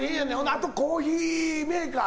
あとコーヒーメーカー。